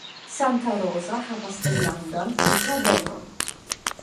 Santa Rosa havas enlandan flughavenon.